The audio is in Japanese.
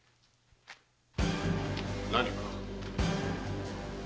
何か？